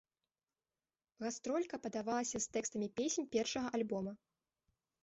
Гастролька падавалася з тэкстамі песень першага альбома.